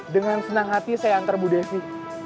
dengan senang hati saya antar bu devi